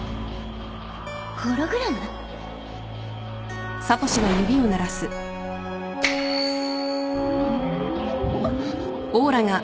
ホログラム？あっ。